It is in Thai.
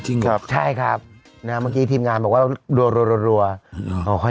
จริงเหรอครับใช่ครับนะฮะ